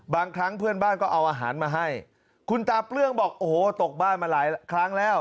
บางครั้งเพื่อนบ้านก็เอาอาหารมาให้คุณตาเปลื้องบอกโอ้โหตกบ้านมาหลายครั้งแล้ว